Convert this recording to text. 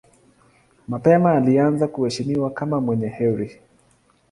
Mapema alianza kuheshimiwa kama mwenye heri.